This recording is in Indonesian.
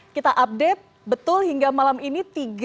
kita update betul hingga malam ini